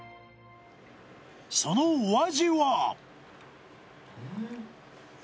そのお味は？